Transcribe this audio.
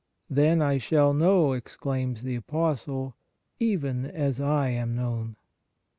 " Then I shall know," exclaims the Apostle, " even as I am known."